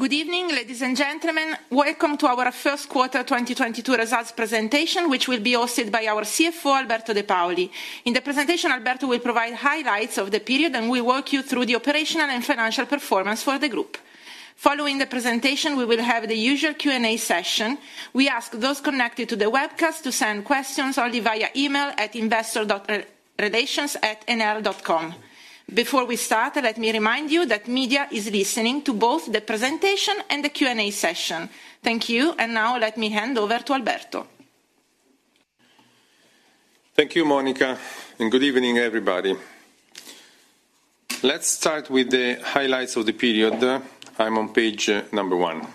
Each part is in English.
Good evening, ladies and gentlemen. Welcome to our Q1 2022 Results Presentation, which will be hosted by our CFO, Alberto De Paoli. In the presentation, Alberto will provide highlights of the period, and we walk you through the operational and financial performance for the group. Following the presentation, we will have the usual Q&A session. We ask those connected to the webcast to send questions only via email at investor.relations@enel.com. Before we start, let me remind you that media is listening to both the presentation and the Q&A session. Thank you, and now let me hand over to Alberto. Thank you, Monica, and good evening, everybody. Let's start with the highlights of the period. I'm on page number one.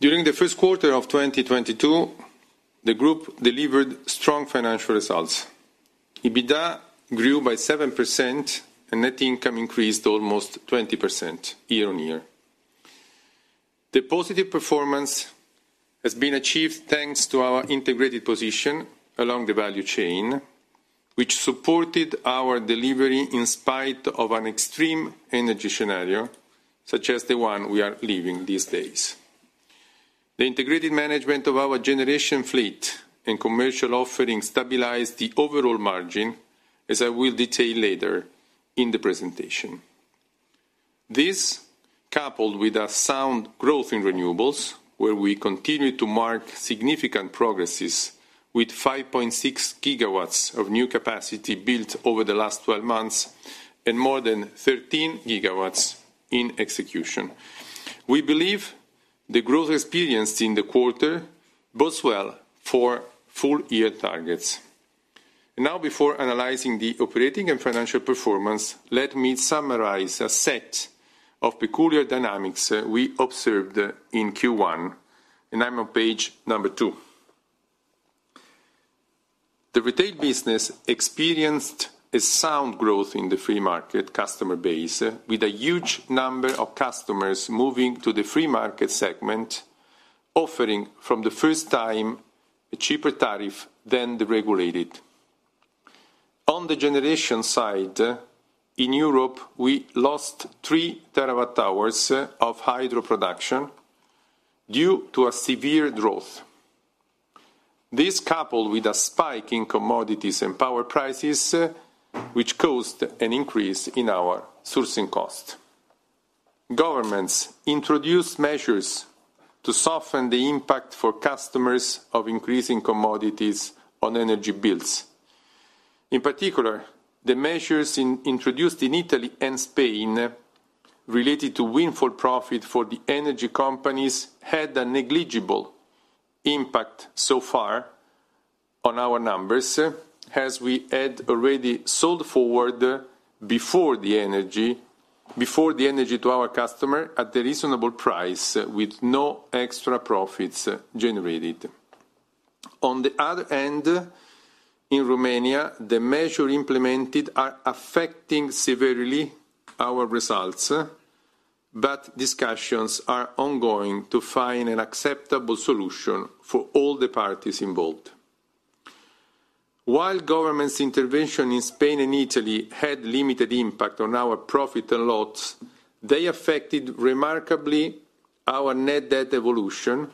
During the Q1 of 2022, the group delivered strong financial results. EBITDA grew by 7%, and net income increased almost 20% year-on-year. The positive performance has been achieved thanks to our integrated position along the value chain, which supported our delivery in spite of an extreme energy scenario, such as the one we are living these days. The integrated management of our generation fleet and commercial offering stabilized the overall margin, as I will detail later in the presentation. This, coupled with a sound growth in renewables, where we continue to mark significant progress with 5.6GW of new capacity built over the last 12 months and more than 13GW in execution. We believe the growth experienced in the quarter bodes well for full year targets. Now before analyzing the operating and financial performance, let me summarize a set of peculiar dynamics we observed in Q1, and I'm on page number two. The retail business experienced a sound growth in the free market customer base, with a huge number of customers moving to the free market segment, offering from the first time a cheaper tariff than the regulated. On the generation side, in Europe, we lost 3TWh of hydro production due to a severe drought. This coupled with a spike in commodities and power prices, which caused an increase in our sourcing cost. Governments introduced measures to soften the impact for customers of increasing commodities on energy bills. In particular, the measures introduced in Italy and Spain related to windfall profit for the energy companies had a negligible impact so far on our numbers, as we had already sold forward before the energy to our customer at a reasonable price with no extra profits generated. On the other hand, in Romania, the measures implemented are affecting severely our results, but discussions are ongoing to find an acceptable solution for all the parties involved. While government's intervention in Spain and Italy had limited impact on our profits and losses, they affected remarkably our net debt evolution,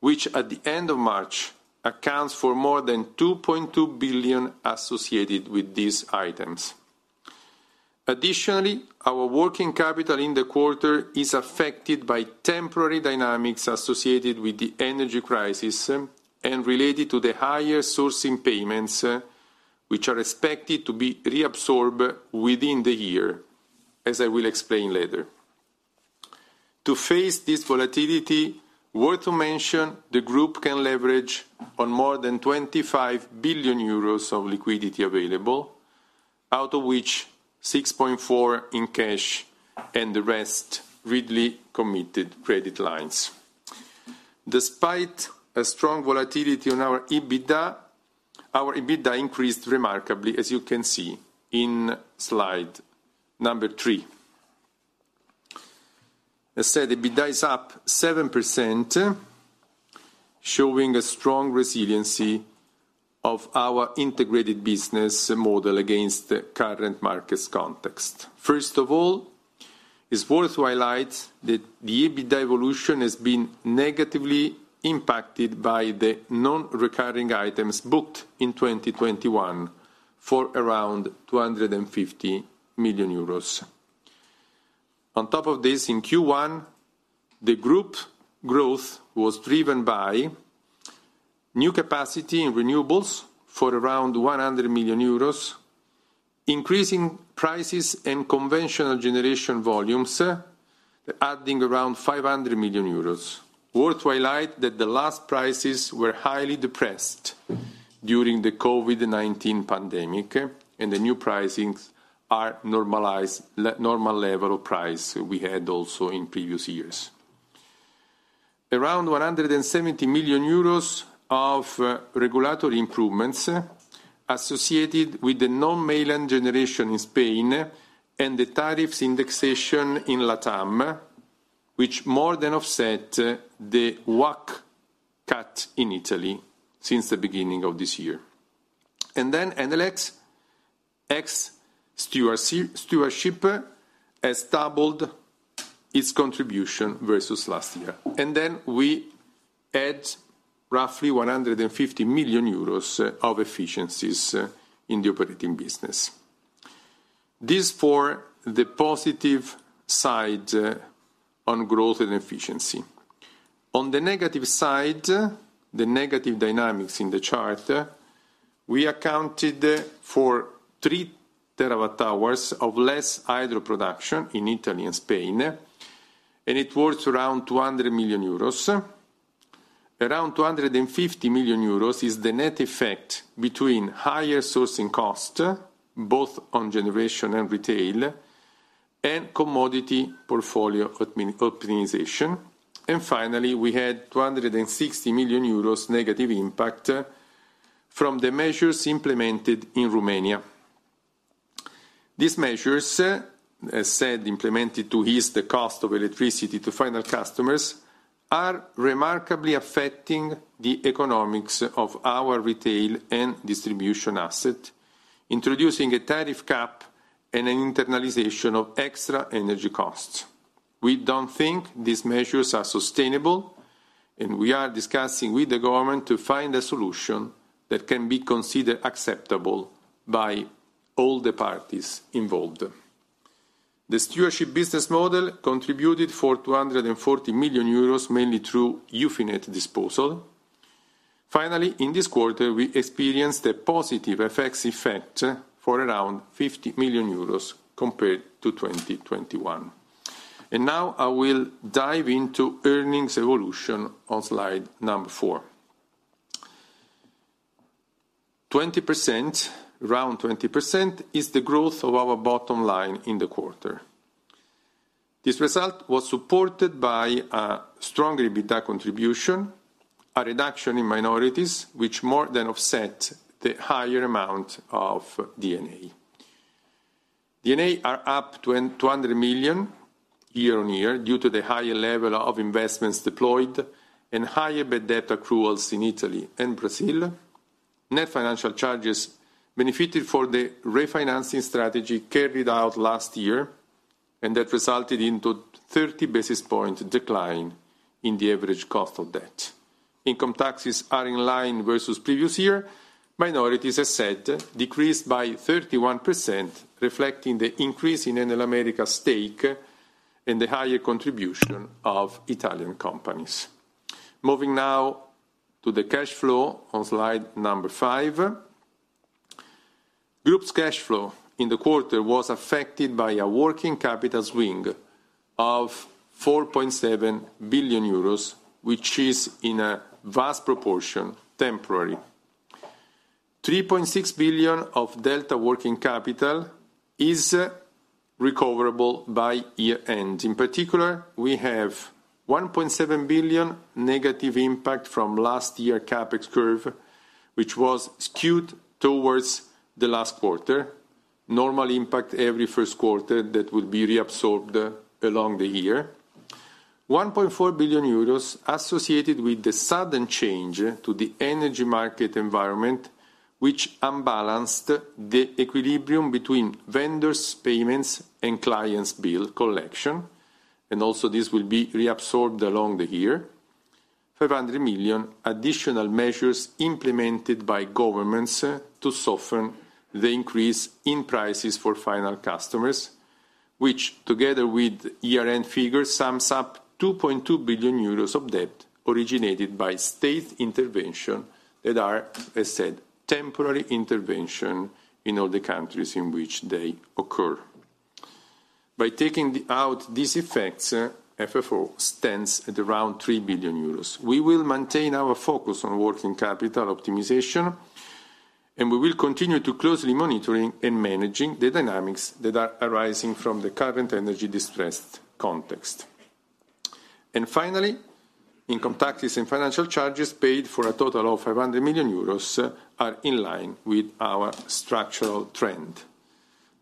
which at the end of March accounts for more than 2.2 billion associated with these items. Additionally, our working capital in the quarter is affected by temporary dynamics associated with the energy crisis and related to the higher sourcing payments, which are expected to be reabsorbed within the year, as I will explain later. To face this volatility, worth mentioning, the group can leverage on more than 25 billion euros of liquidity available, out of which 6.4 billion in cash and the rest readily committed credit lines. Despite a strong volatility on our EBITDA, our EBITDA increased remarkably, as you can see in slide number three. I said EBITDA is up 7%, showing a strong resiliency of our integrated business model against the current market context. First of all, it's worth highlighting that the EBITDA evolution has been negatively impacted by the non-recurring items booked in 2021 for around 250 million euros. On top of this, in Q1, the group growth was driven by new capacity in renewables for around 100 million euros, increasing prices and conventional generation volumes, adding around 500 million euros. Worth highlighting that the past prices were highly depressed during the COVID-19 pandemic, and the new pricings are normalized to the normal level of price we had also in previous years. Around 170 million euros of regulatory improvements associated with the non-mainland generation in Spain and the tariffs indexation in LATAM, which more than offset the WACC in Italy since the beginning of this year. Enel X stewardship has doubled its contribution versus last year. We add roughly 150 million euros of efficiencies in the operating business. This for the positive side on growth and efficiency. On the negative side, the negative dynamics in the chart, we accounted for 3TWh of less hydro production in Italy and Spain, and it's worth around 200 million euros. Around 250 million euros is the net effect between higher sourcing cost, both on generation and retail, and commodity portfolio optimization. Finally, we had 260 million euros negative impact from the measures implemented in Romania. These measures, as said, implemented to ease the cost of electricity to final customers, are remarkably affecting the economics of our retail and distribution asset, introducing a tariff cap and an internalization of extra energy costs. We don't think these measures are sustainable, and we are discussing with the government to find a solution that can be considered acceptable by all the parties involved. The stewardship business model contributed 240 million euros, mainly through Ufinet disposal. Finally, in this quarter, we experienced a positive FX effect for around 50 million euros compared to 2021. Now I will dive into earnings evolution on slide four. 20%, around 20% is the growth of our bottom line in the quarter. This result was supported by a strong EBITDA contribution, a reduction in minorities, which more than offset the higher amount of D&A. D&A are up 200 million year-on-year due to the higher level of investments deployed and higher bad debt accruals in Italy and Brazil. Net financial charges benefited for the refinancing strategy carried out last year, and that resulted into 30 basis points decline in the average cost of debt. Income taxes are in line versus previous year. Minorities, as said, decreased by 31%, reflecting the increase in Enel Américas stake and the higher contribution of Italian companies. Moving now to the cash flow on slide five. Group's cash flow in the quarter was affected by a working capital swing of 4.7 billion euros, which is in a vast proportion temporary. 3.6 billion of delta working capital is recoverable by year end. In particular, we have 1.7 billion negative impact from last year CapEx curve, which was skewed towards the last quarter. Normal impact every Q1 that will be reabsorbed along the year. 1.4 billion euros associated with the sudden change to the energy market environment, which unbalanced the equilibrium between vendors payments and clients bill collection. This will be reabsorbed along the year. 500 million additional measures implemented by governments to soften the increase in prices for final customers, which together with year-end figures, sums up 2.2 billion euros of debt originated by state intervention that are, as said, temporary intervention in all the countries in which they occur. By taking out these effects, FFO stands at around 3 billion euros. We will maintain our focus on working capital optimization, and we will continue to closely monitor and managing the dynamics that are arising from the current energy distressed context. Finally, income taxes and financial charges paid for a total of 500 million euros are in line with our structural trend.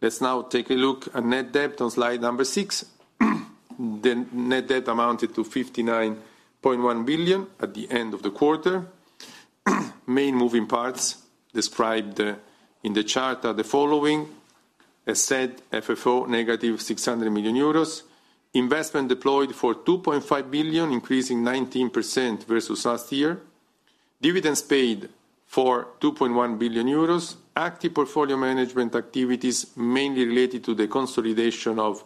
Let's now take a look at net debt on slide number six. The net debt amounted to 59.1 billion at the end of the quarter. Main moving parts described in the chart are the following. As said, FFO negative 600 million euros. Investment deployed for 2.5 billion, increasing 19% versus last year. Dividends paid for 2.1 billion euros. Active portfolio management activities mainly related to the consolidation of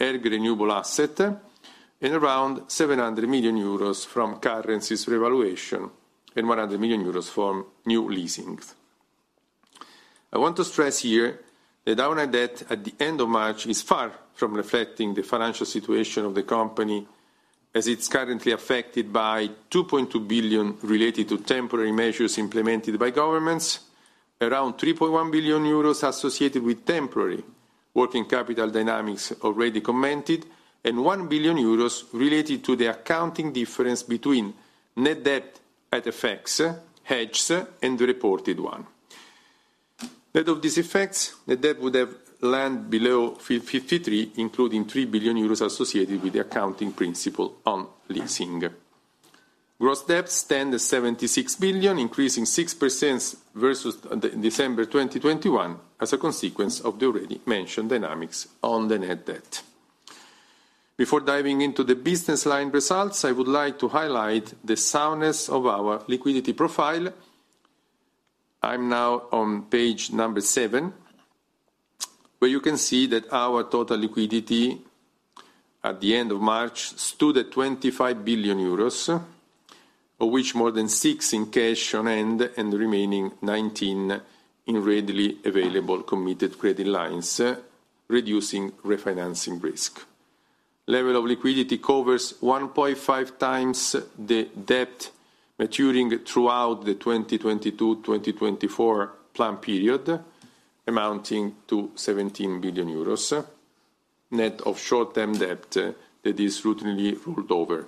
our renewable asset, and around 700 million euros from currency revaluation and 100 million euros from new leasing. I want to stress here the net debt at the end of March is far from reflecting the financial situation of the company as it's currently affected by 2.2 billion related to temporary measures implemented by governments. Around 3.1 billion euros associated with temporary working capital dynamics already commented, and 1 billion euros related to the accounting difference between net debt at FX hedge, and the reported one. Net of these effects, the debt would have landed below 53 billion, including 3 billion euros associated with the accounting principle on leasing. Gross debt stands at 76 billion, increasing 6% versus the December 2021 as a consequence of the already mentioned dynamics on the net debt. Before diving into the business line results, I would like to highlight the soundness of our liquidity profile. I'm now on page number seven, where you can see that our total liquidity at the end of March stood at 25 billion euros, of which more than 6 billion in cash on hand and the remaining 19 billion in readily available committed credit lines, reducing refinancing risk. Level of liquidity covers 1.5x the debt maturing throughout the 2022-2024 plan period, amounting to 17 billion euros, net of short-term debt that is routinely rolled over.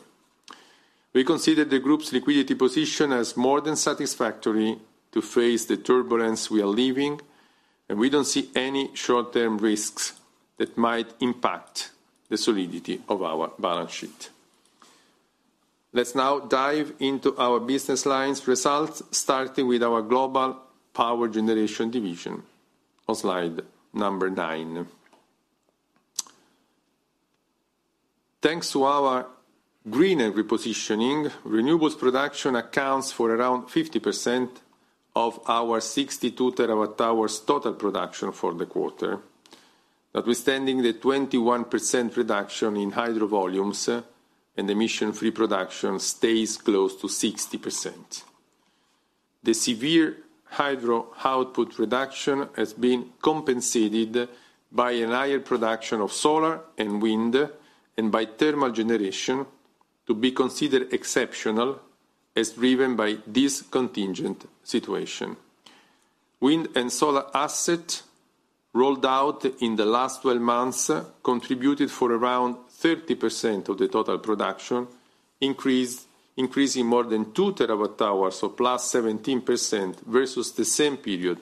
We consider the group's liquidity position as more than satisfactory to face the turbulence we are leaving, and we don't see any short-term risks that might impact the solidity of our balance sheet. Let's now dive into our business lines results, starting with our Global Power Generation division on slide nine. Thanks to our green energy positioning, renewables production accounts for around 50% of our 62TWh total production for the quarter, notwithstanding the 21% reduction in hydro volumes and emission-free production stays close to 60%. The severe hydro output reduction has been compensated by a higher production of solar and wind and by thermal generation to be considered exceptional as driven by this contingent situation. Wind and solar assets rolled out in the last 12 months contributed for around 30% of the total production, increasing more than 2TWh, so plus 17% versus the same period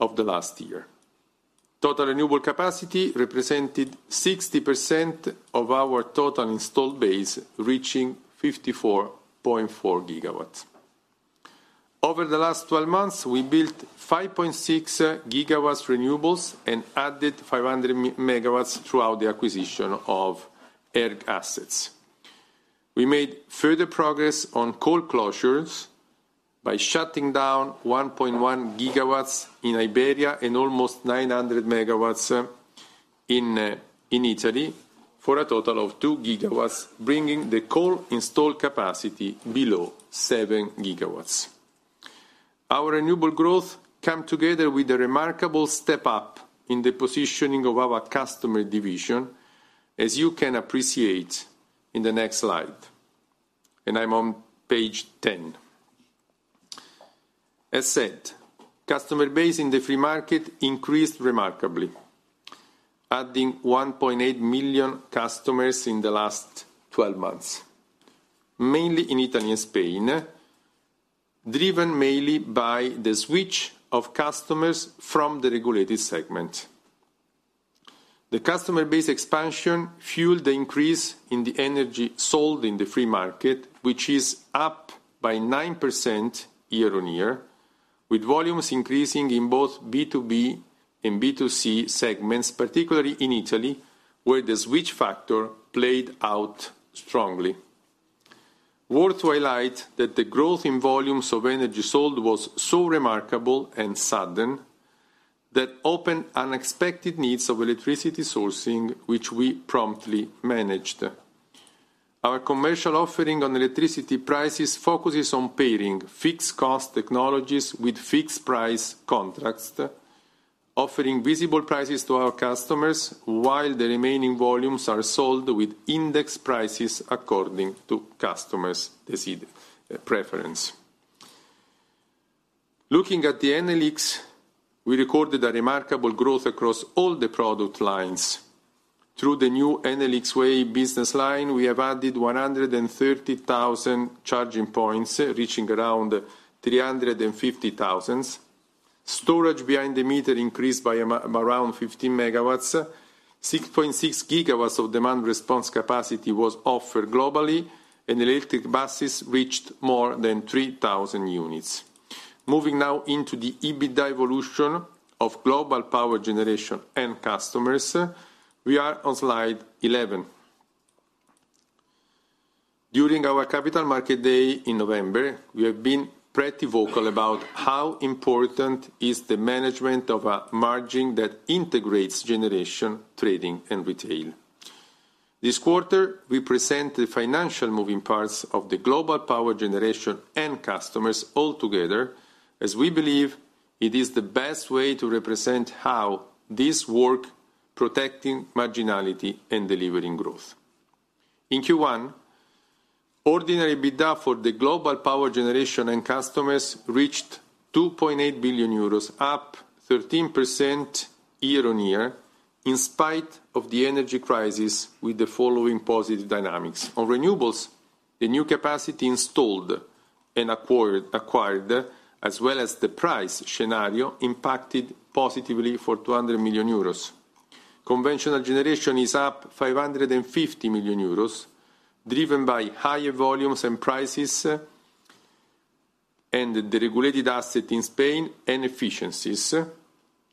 of the last year. Total renewable capacity represented 60% of our total installed base, reaching 54.4GW. Over the last 12 months, we built 5.6GW renewables and added 500 megawatts through the acquisition of hydro assets. We made further progress on coal closures by shutting down 1.1GW in Iberia and almost 900MW in Italy for a total of 2GW, bringing the coal installed capacity below 7GW. Our renewable growth come together with a remarkable step up in the positioning of our customer division, as you can appreciate in the next slide. I'm on page 10. As said, customer base in the free market increased remarkably, adding 1.8 million customers in the last 12 months, mainly in Italy and Spain, driven mainly by the switch of customers from the regulated segment. The customer base expansion fueled the increase in the energy sold in the free market, which is up by 9% year-on-year, with volumes increasing in both B2B and B2C segments, particularly in Italy, where the switch factor played out strongly. Worth to highlight that the growth in volumes of energy sold was so remarkable and sudden that opened unexpected needs of electricity sourcing, which we promptly managed. Our commercial offering on electricity prices focuses on pairing fixed cost technologies with fixed price contracts, offering visible prices to our customers while the remaining volumes are sold with index prices according to customers' decision, preference. Looking at the Enel X, we recorded a remarkable growth across all the product lines. Through the new Enel X Way business line, we have added 130,000 charging points, reaching around 350,000. Storage behind the meter increased by around 15MW. 6.6GW of demand response capacity was offered globally, and electric buses reached more than 3,000 units. Moving now into the EBITDA evolution of Global Power Generation and customers, we are on slide 11. During our Capital Markets Day in November, we have been pretty vocal about how important is the management of a margin that integrates generation, trading, and retail. This quarter, we present the financial moving parts of the global power generation and customers all together, as we believe it is the best way to represent how this works protecting marginality and delivering growth. In Q1, ordinary EBITDA for the global power generation and customers reached 2.8 billion euros, up 13% year-over-year, in spite of the energy crisis with the following positive dynamics. On renewables. The new capacity installed and acquired, as well as the price scenario impacted positively for 200 million euros. Conventional generation is up 550 million euros, driven by higher volumes and prices, and the regulated asset in Spain and efficiencies.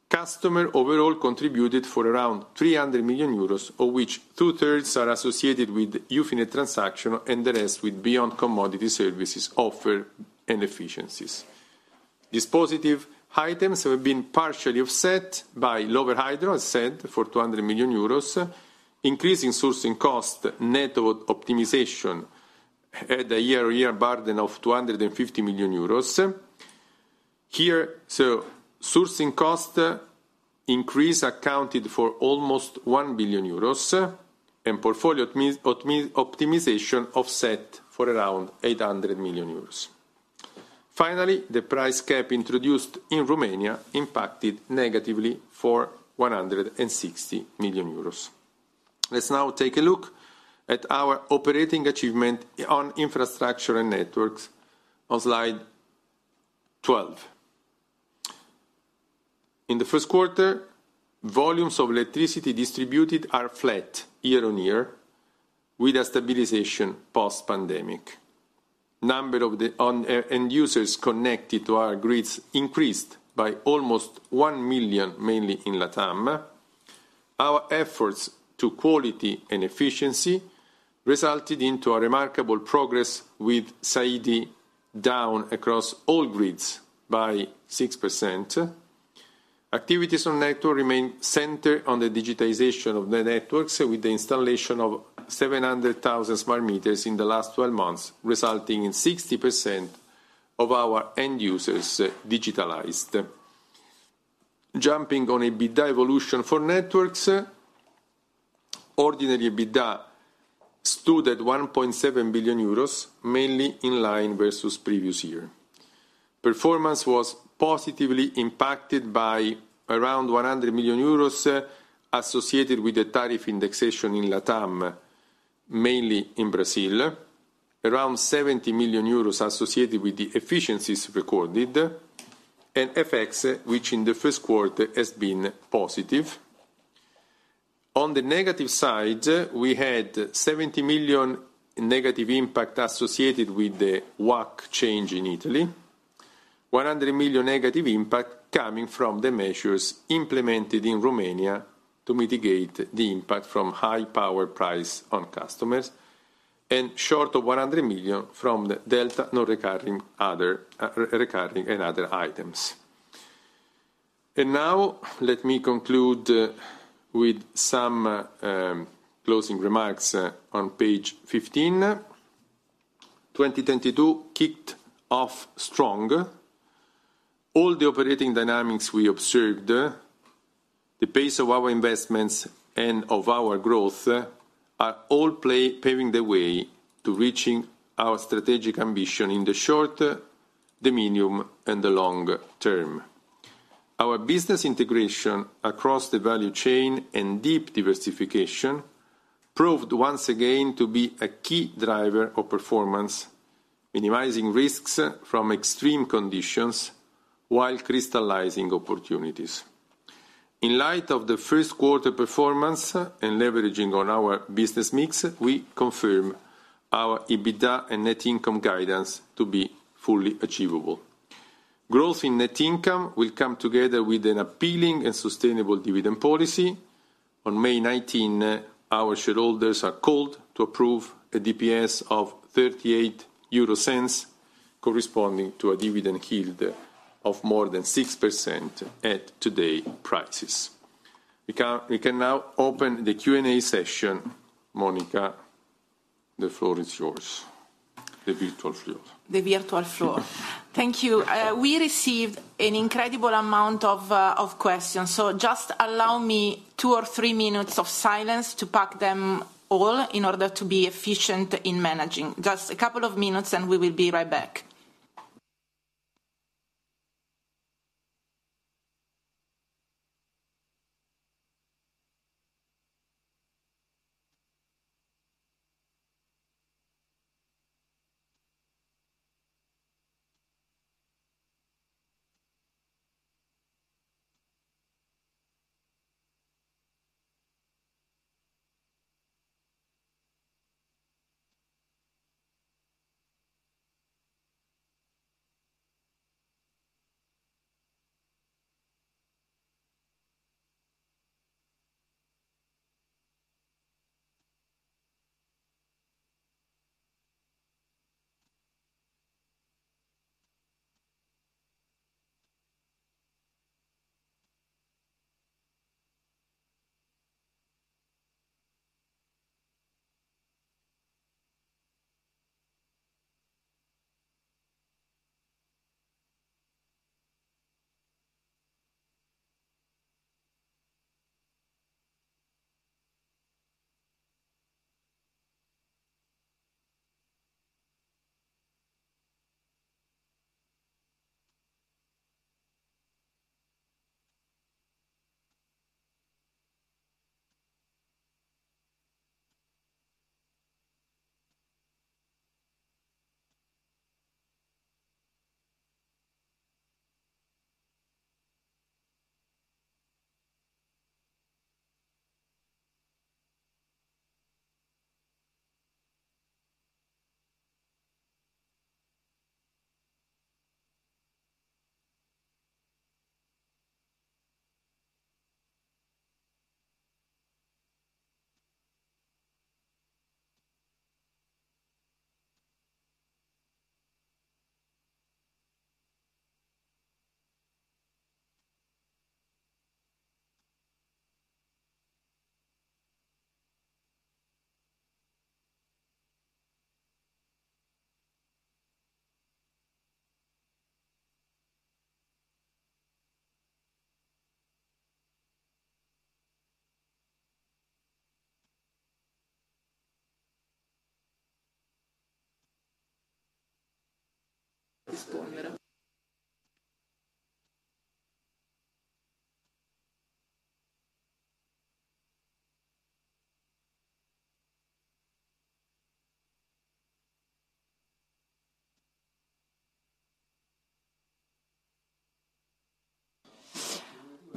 Customers overall contributed for around 300 million euros, of which two-thirds are associated with Ufinet transaction and the rest with beyond commodity services offer and efficiencies. These positive items have been partially offset by lower hydro, as said, for 200 million euros. Increasing sourcing cost net of optimization had a year-on-year burden of 250 million euros. Here, sourcing cost increase accounted for almost 1 billion euros, and portfolio optimization offset for around 800 million euros. Finally, the price cap introduced in Romania impacted negatively for 160 million euros. Let's now take a look at our operating achievement on infrastructure and networks on slide 12. In Q1, volumes of electricity distributed are flat year-on-year, with a stabilization post-pandemic. Number of end users connected to our grids increased by almost one million, mainly in LATAM. Our efforts to quality and efficiency resulted into a remarkable progress with SAIDI down across all grids by 6%. Activities on network remain centered on the digitization of the networks, with the installation of 700,000 smart meters in the last 12 months, resulting in 60% of our end users digitalized. Jumping on EBITDA evolution for networks, ordinary EBITDA stood at 1.7 billion euros, mainly in line versus previous year. Performance was positively impacted by around 100 million euros associated with the tariff indexation in LATAM, mainly in Brazil, around 70 million euros associated with the efficiencies recorded, and FX, which in the first quarter has been positive. On the negative side, we had 70 million negative impact associated with the WACC change in Italy, 100 million negative impact coming from the measures implemented in Romania to mitigate the impact from high power price on customers, and short of 100 million from the Delta non-recurring other, recurring and other items. Now let me conclude with some closing remarks on page 15. 2022 kicked off strong. All the operating dynamics we observed, the pace of our investments and of our growth are all paving the way to reaching our strategic ambition in the short, the medium, and the long term. Our business integration across the value chain and deep diversification proved once again to be a key driver of performance, minimizing risks from extreme conditions while crystallizing opportunities. In light of Q1 performance and leveraging on our business mix, we confirm our EBITDA and net income guidance to be fully achievable. Growth in net income will come together with an appealing and sustainable dividend policy. On May 19, our shareholders are called to approve a DPS of 0.38, corresponding to a dividend yield of more than 6% at today's prices. We can now open the Q&A session. Monica, the floor is yours. The virtual floor. The virtual floor. Thank you. We received an incredible amount of questions, so just allow me two or three minutes of silence to park them all in order to be efficient in managing. Just a couple of minutes, and we will be right back.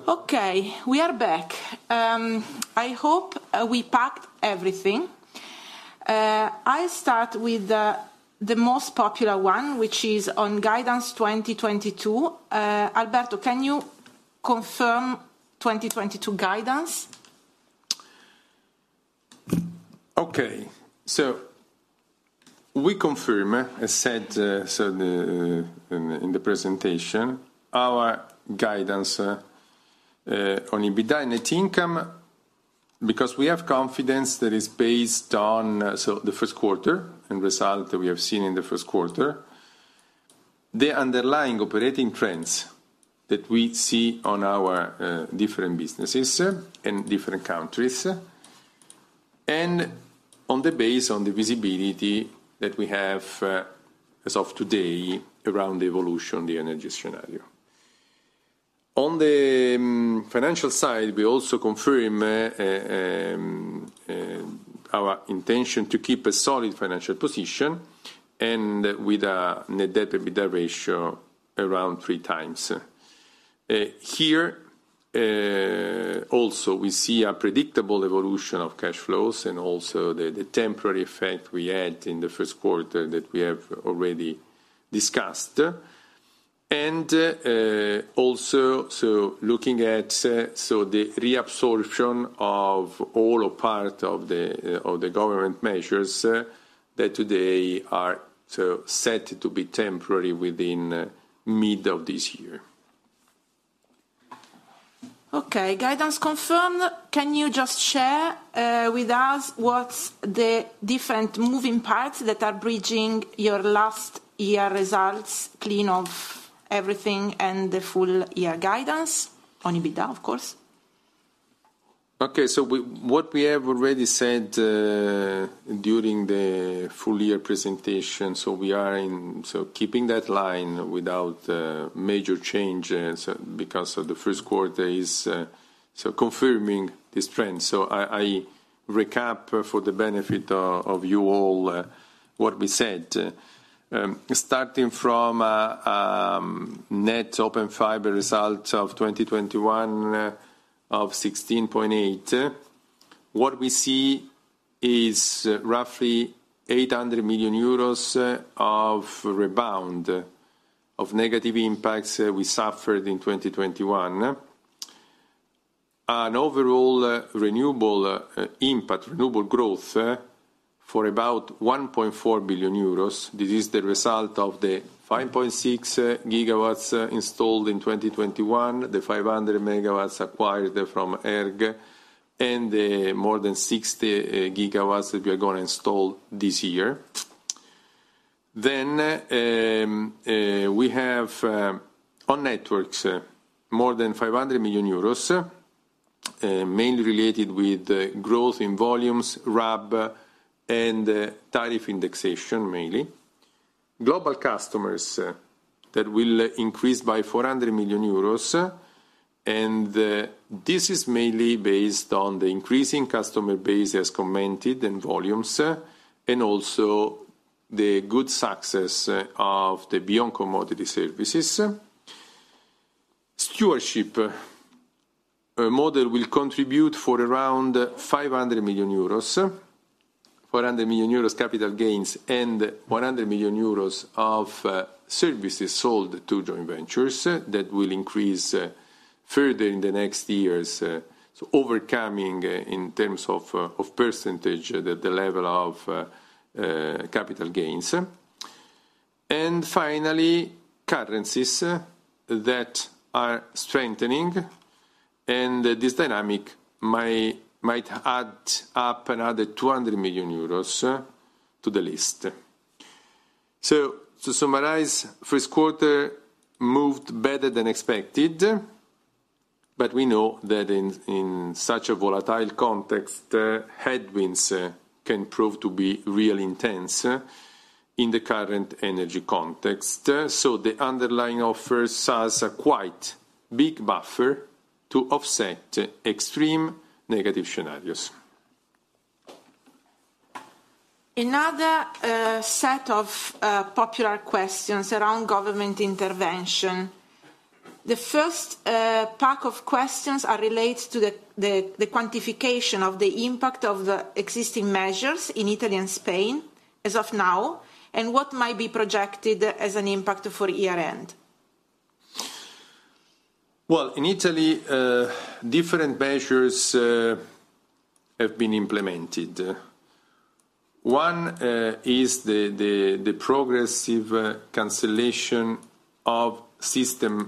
Okay, we are back. I hope we packed everything. I start with the most popular one, which is on guidance 2022. Alberto, can you confirm 2022 guidance? We confirm, as said, in the presentation, our guidance on EBITDA net income, because we have confidence that is based on Q1 and result we have seen in Q1, the underlying operating trends that we see on our different businesses and different countries, and based on the visibility that we have as of today around the evolution of the energy scenario. On the financial side, we also confirm our intention to keep a solid financial position and with a net debt to EBITDA ratio around 3x. Here also we see a predictable evolution of cash flows and also the temporary effect we had in the first quarter that we have already discussed. Also looking at the reabsorption of all or part of the government measures that today are set to be temporary within mid of this year. Okay. Guidance confirmed. Can you just share with us what's the different moving parts that are bridging your last year results clean of everything and the full year guidance on EBITDA, of course? Okay. What we have already said during the full year presentation, we are keeping that line without major changes because of Q1, confirming this trend. I recap for the benefit of you all what we said. Starting from net Open Fiber results of 2021 of 16.8, what we see is roughly 800 million euros of rebound of negative impacts we suffered in 2021. An overall renewable growth for about 1.4 billion euros. This is the result of the 5.6GW installed in 2021, the 500MW acquired from ERG, and the more than 60GW that we are gonna install this year. We have on networks more than 500 million euros, mainly related with the growth in volumes, RAB, and tariff indexation, mainly. Global customers that will increase by 400 million euros, and this is mainly based on the increasing customer base as commented and volumes, and also the good success of the beyond commodity services. Stewardship model will contribute for around 500 million euros, 400 million capital gains and 100 million euros of services sold to joint ventures that will increase further in the next years, so overcoming in terms of percentage the level of capital gains. Finally, currencies that are strengthening, and this dynamic might add up another 200 million euros to the list. To summarize, first quarter moved better than expected, but we know that in such a volatile context, headwinds can prove to be really intense. In the current energy context. The underlying offers us a quite big buffer to offset extreme negative scenarios. Another set of popular questions around government intervention. The first pack of questions relates to the quantification of the impact of the existing measures in Italy and Spain as of now, and what might be projected as an impact for year-end? Well, in Italy, different measures have been implemented. One is the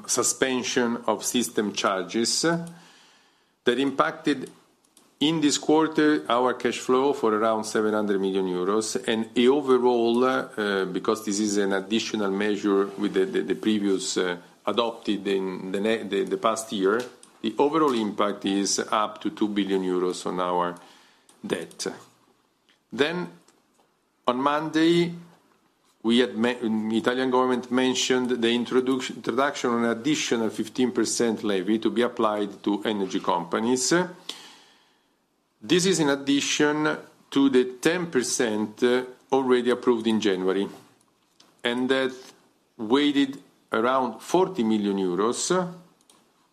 suspension of system charges that impacted, in this quarter, our cash flow for around 700 million euros. Overall, because this is an additional measure with the previous adopted in the past year, the overall impact is up to 2 billion euros on our debt. On Monday, the Italian government mentioned the introduction of additional 15% levy to be applied to energy companies. This is in addition to the 10% already approved in January, and that weighed around 40 million euros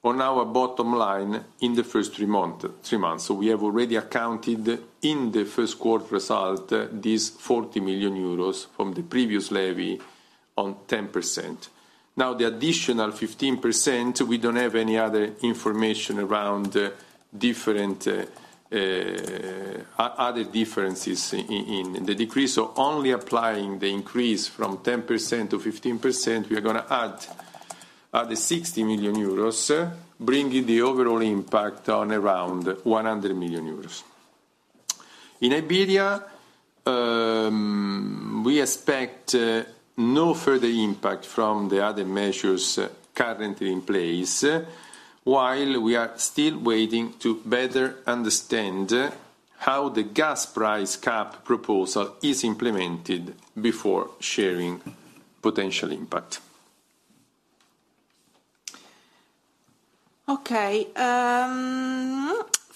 on our bottom line in the first three months. We have already accounted in Q1 result this 40 million euros from the previous levy on 10%. Now, the additional 15%, we don't have any other information around different other differences in the decrease. Only applying the increase from 10% to 15%, we are gonna add 60 million euros, bringing the overall impact on around 100 million euros. In Iberia, we expect no further impact from the other measures currently in place, while we are still waiting to better understand how the gas price cap proposal is implemented before sharing potential impact.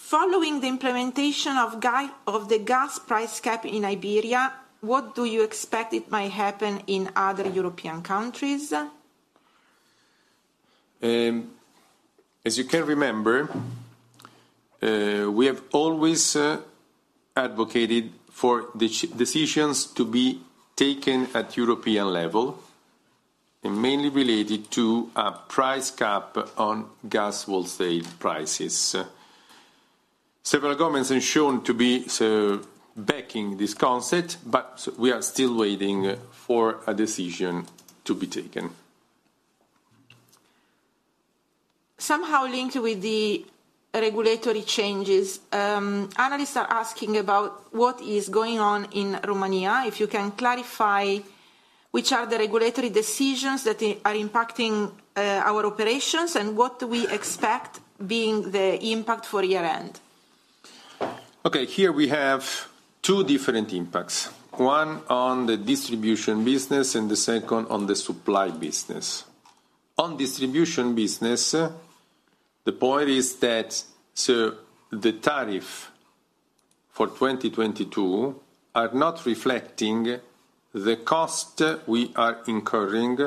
Following the implementation of the gas price cap in Iberia, what do you expect it might happen in other European countries? As you can remember, we have always advocated for decisions to be taken at European level, and mainly related to a price cap on gas wholesale prices. Several governments have shown to be backing this concept, but we are still waiting for a decision to be taken. Somehow linked with the regulatory changes, analysts are asking about what is going on in Romania. If you can clarify which are the regulatory decisions that are impacting our operations, and what do we expect being the impact for year-end? Okay, here we have two different impacts, one on the distribution business and the second on the supply business. On distribution business, the point is that, so the tariff for 2022 are not reflecting the cost we are incurring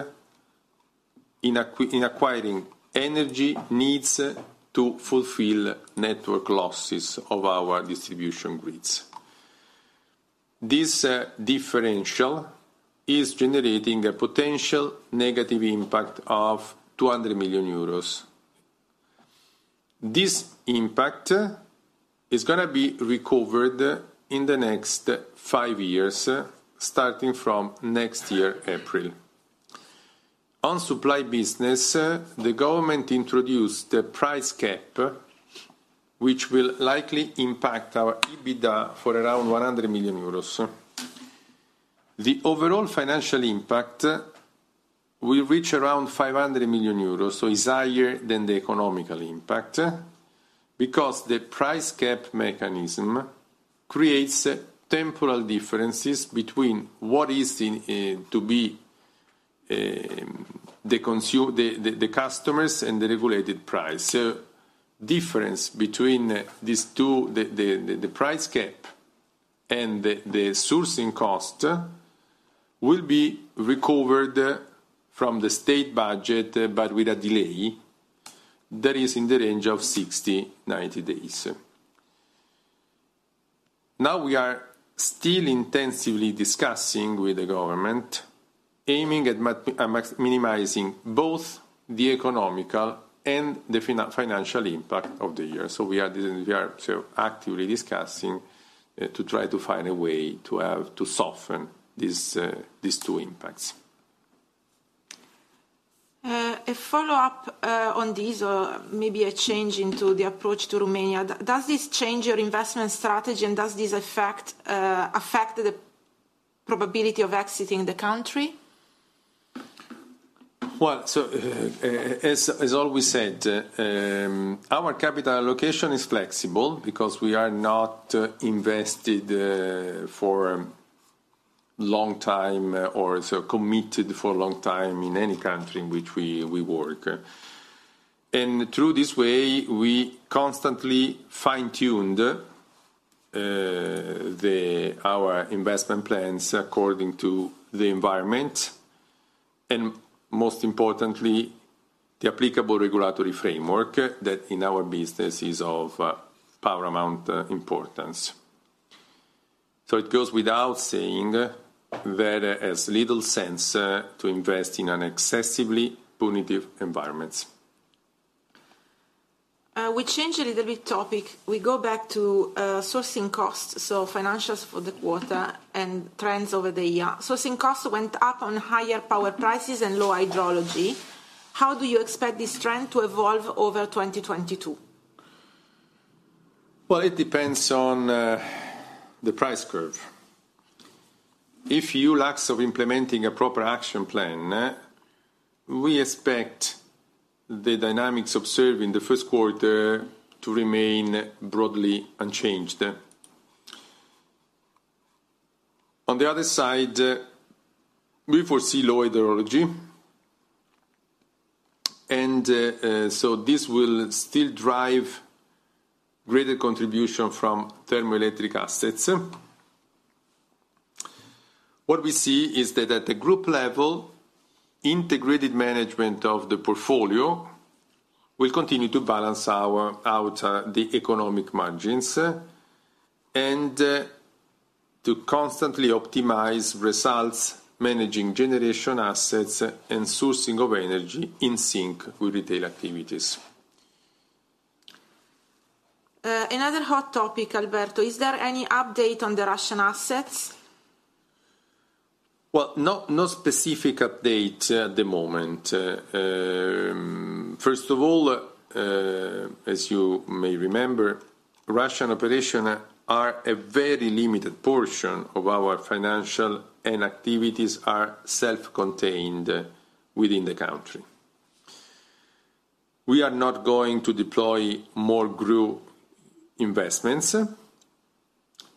in acquiring energy needed to fulfill network losses of our distribution grids. This differential is generating a potential negative impact of 200 million euros. This impact is gonna be recovered in the next five years, starting from next year, April. On supply business, the government introduced a price cap, which will likely impact our EBITDA for around 100 million euros. The overall financial impact will reach around 500 million euros, so is higher than the economic impact, because the price cap mechanism creates temporal differences between what is billed to the customers and the regulated price. Difference between these two, the price cap and the sourcing cost, will be recovered from the state budget, but with a delay that is in the range of 60-90 days. We are still intensively discussing with the government, aiming at minimizing both the economic and the financial impact of the year. We are still actively discussing to try to find a way to have to soften these two impacts. A follow-up on this, or maybe a change into the approach to Romania. Does this change your investment strategy, and does this affect the probability of exiting the country? Well, as always said, our capital allocation is flexible because we are not invested for long time or so committed for a long time in any country in which we work. Through this way, we constantly fine-tuned our investment plans according to the environment, and most importantly, the applicable regulatory framework that in our business is of paramount importance. It goes without saying that it has little sense to invest in an excessively punitive environment. We change a little bit topic. We go back to sourcing costs, so financials for the quarter and trends over the year. Sourcing costs went up on higher power prices and low hydrology. How do you expect this trend to evolve over 2022? Well, it depends on the price curve. If without implementing a proper action plan, we expect the dynamics observed in Q1 to remain broadly unchanged. On the other side, we foresee low hydrology, and so this will still drive greater contribution from thermoelectric assets. What we see is that at the group level, integrated management of the portfolio will continue to balance out the economic margins, and to constantly optimize results, managing generation assets, and sourcing of energy in sync with retail activities. Another hot topic, Alberto, is there any update on the Russian assets? Well, no specific update at the moment. First of all, as you may remember, Russian operations are a very limited portion of our financial and activities are self-contained within the country. We are not going to deploy more group investments,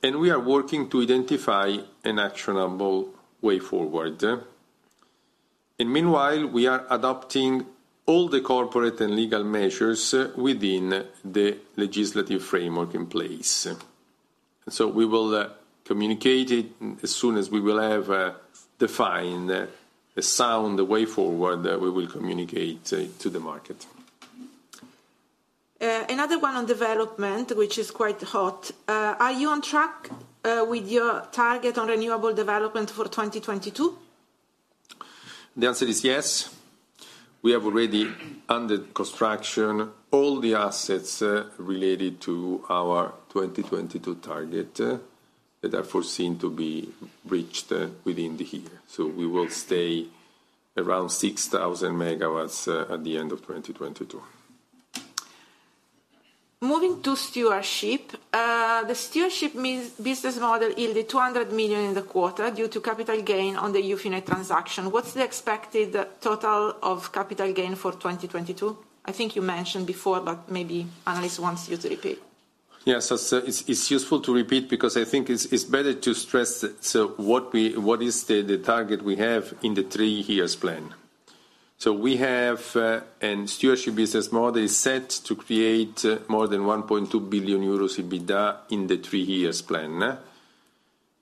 and we are working to identify an actionable way forward. Meanwhile, we are adopting all the corporate and legal measures within the legislative framework in place. We will communicate it as soon as we will have defined the sound way forward, we will communicate it to the market. Another one on development, which is quite hot. Are you on track with your target on renewable development for 2022? The answer is yes. We have already under construction all the assets, related to our 2022 target, that are foreseen to be reached, within the year. We will stay around 6,000MW, at the end of 2022. Moving to stewardship. The stewardship means business model yielded 200 million in the quarter due to capital gain on the Ufinet transaction. What's the expected total of capital gain for 2022? I think you mentioned before, but maybe analyst wants you to repeat. Yes. It's useful to repeat because I think it's better to stress it. What is the target we have in the three years plan. We have a stewardship business model set to create more than 1.2 billion euros EBITDA in the three years plan.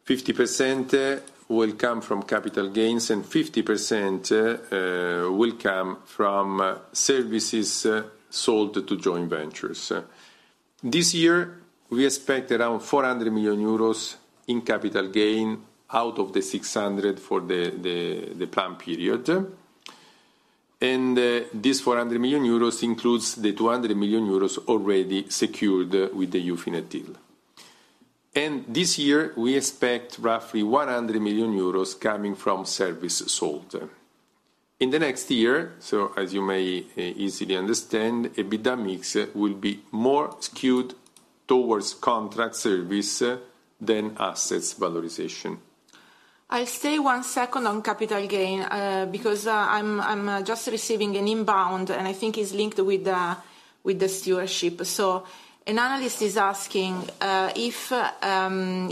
50% will come from capital gains and 50% will come from services sold to joint ventures. This year we expect around 400 million euros in capital gain out of the 600 million for the plan period. This 400 million euros includes the 200 million already secured with the Ufinet deal. This year we expect roughly 100 million euros coming from services sold. In the next year, so as you may easily understand, EBITDA mix will be more skewed towards contract service than assets valorization. I stay one second on capital gain, because I'm just receiving an inbound, and I think it's linked with the stewardship. An analyst is asking if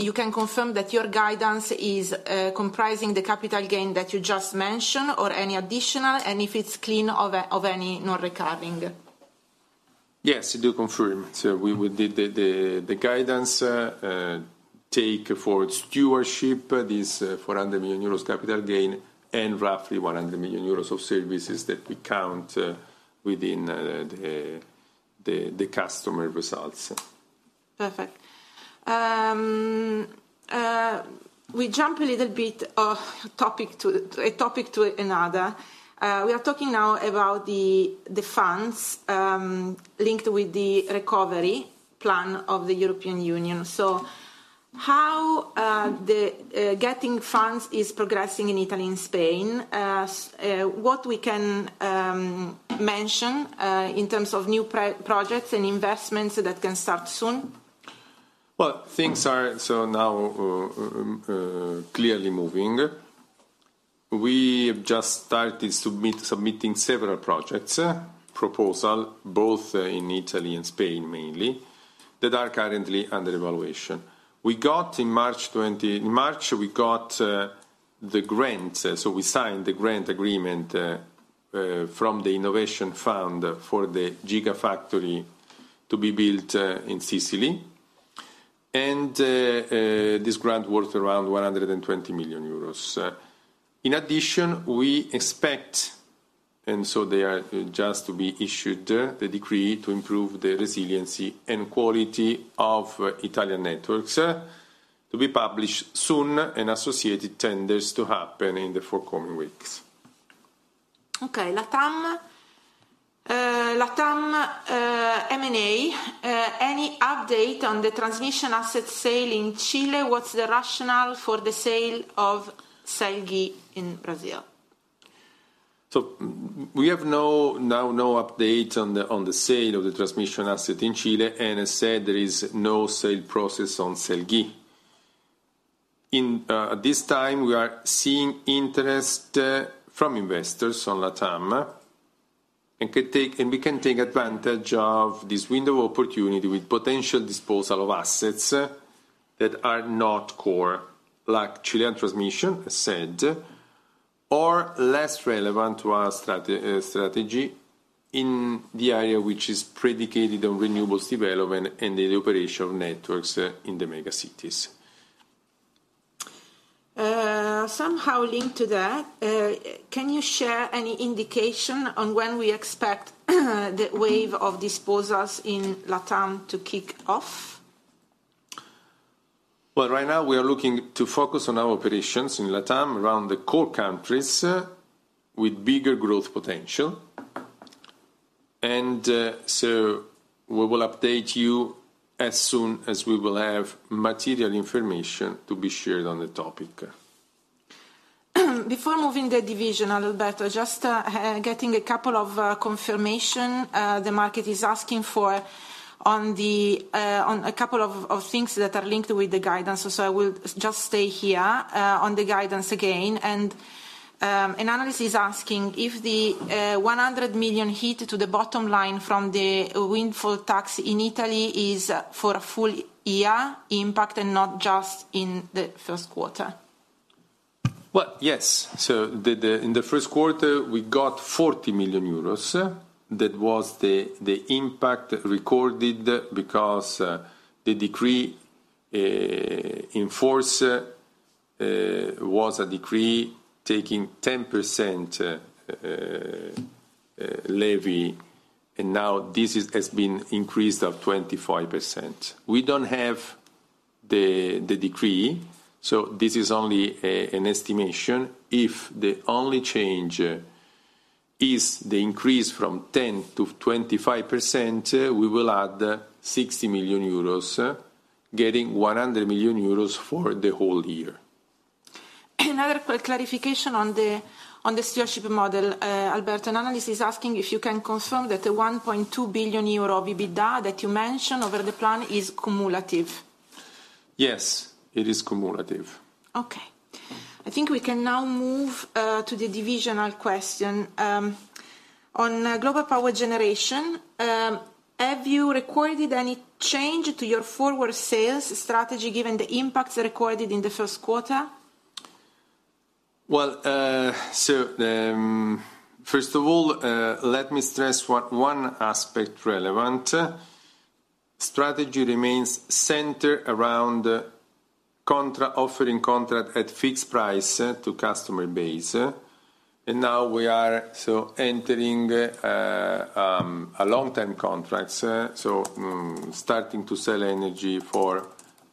you can confirm that your guidance is comprising the capital gain that you just mentioned or any additional, and if it's clean of any non-recurring. Yes, I do confirm. We would take for stewardship this 400 million euros capital gain and roughly 100 million euros of services that we count within the customer results. Perfect. We jump a little bit, topic to another. We are talking now about the funds linked with the recovery plan of the European Union. How the getting funds is progressing in Italy and Spain? What we can mention in terms of new projects and investments that can start soon? Well, things are so now clearly moving. We have just started submitting several project proposals both in Italy and Spain mainly that are currently under evaluation. In March, we got the grant, so we signed the grant agreement from the Innovation Fund for the gigafactory to be built in Sicily. This grant worth around 120 million euros. In addition, we expect the decree to improve the resiliency and quality of Italian networks to be published soon and associated tenders to happen in the forthcoming weeks. Okay. LatAm. LatAm, M&A, any update on the transmission asset sale in Chile? What's the rationale for the sale of CELG in Brazil? We have no update on the sale of the transmission asset in Chile, and as said, there is no sale process on CELG. This time, we are seeing interest from investors on LatAm, and we can take advantage of this window of opportunity with potential disposal of assets that are not core, like Chilean transmission, as said, or less relevant to our strategy in the area which is predicated on renewables development and the operation of networks in the mega cities. Somehow linked to that, can you share any indication on when we expect the wave of disposals in LatAm to kick off? Well, right now, we are looking to focus on our operations in LatAm around the core countries with bigger growth potential. We will update you as soon as we will have material information to be shared on the topic. Before moving the division, Alberto, just getting a couple of confirmations the market is asking for on a couple of things that are linked with the guidance. I will just stay here on the guidance again. An analyst is asking if the 100 million hit to the bottom line from the windfall tax in Italy is for a full year impact and not just in Q1. Well, yes. In Q1, we got 40 million euros. That was the impact recorded because the decree enforced was a decree taking 10% levy, and now this has been increased to 25%. We don't have the decree, so this is only an estimation. If the only change is the increase from 10% to 25%, we will add 60 million euros, getting 100 million euros for the whole year. Another quick clarification on the stewardship model, Alberto. An analyst is asking if you can confirm that the 1.2 billion euro EBITDA that you mentioned over the plan is cumulative. Yes, it is cumulative. Okay. I think we can now move to the divisional question. On Global Power Generation, have you recorded any change to your forward sales strategy given the impacts recorded in the first quarter? Well, first of all, let me stress one aspect relevant. Strategy remains centered around offering contract at fixed price to customer base. Now we are entering a long-term contracts, starting to sell energy for